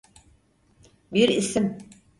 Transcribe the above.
Bir isim.